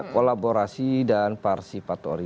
kolaborasi dan parsipatori